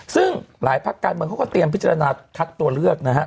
ซึ่งหลายภาคการเมืองเขาก็เตรียมพิจารณาคัดตัวเลือกนะฮะ